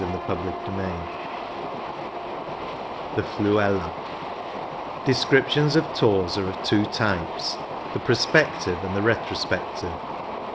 CHAPTER IV THE FLUELA Descriptions of tours are of two types, the prospective and the retrospective.